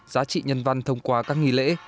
giá trị nhân văn thông qua các nghỉ lễ